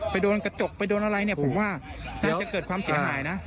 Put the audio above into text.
ไปโดนกระจกไปโดนอะไรผมว่าสร้างจะเกิดความเสียหายนะ